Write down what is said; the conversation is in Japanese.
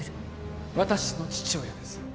私の父親です